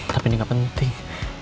tapi ini gak penting